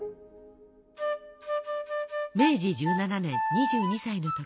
明治１７年２２歳の時。